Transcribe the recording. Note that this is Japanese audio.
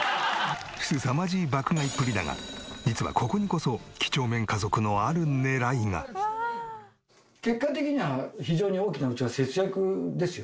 すさまじい爆買いっぷりだが実はここにこそ結果的には非常に大きなうちは節約ですよ。